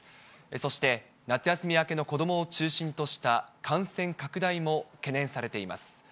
そして、夏休み明けの子どもを中心とした感染拡大も懸念されています。